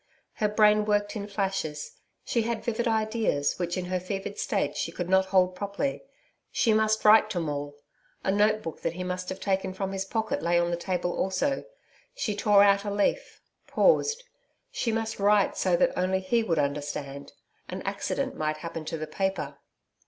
Her brain worked in flashes. She had vivid ideas, which in her fevered state she could not hold properly. She must write to Maule. A notebook that he must have taken from his pocket lay on the table also. She tore out a leaf paused She must write so that only he would understand. An accident might happen to the paper.